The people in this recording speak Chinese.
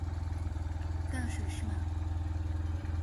大水苎麻